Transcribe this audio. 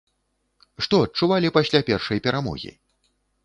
Што адчувалі пасля першай перамогі?